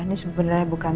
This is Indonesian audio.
ini sebenarnya bukan